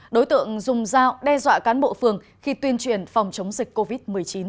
đối tượng dùng dao đe dọa cán bộ phường khi tuyên truyền phòng chống dịch covid một mươi chín